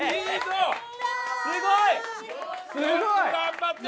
すごい！よく頑張った！